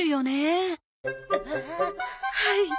はい。